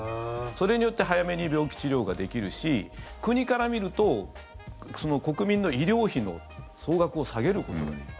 それによって早めに病気治療ができるし国から見るとその国民の医療費の総額を下げることができる。